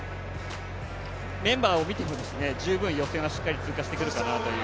メンバーを見てますと十分予選を通過してくるかなという